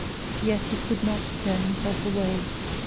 Yet he could not tear himself away.